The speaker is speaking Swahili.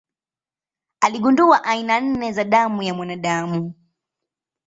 Aligundua aina nne za damu ya mwanadamu.